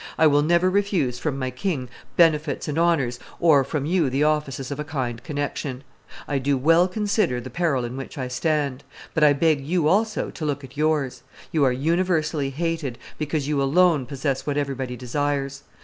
I will never refuse from my king benefits and honors, or from you the offices of a kind connection. I do well consider the peril in which I stand; but I beg you also to look at yours. You are universally hated, because you alone possess what everybody desires.